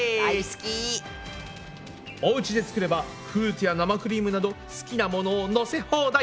おうちで作ればフルーツや生クリームなど好きなものをのせ放題！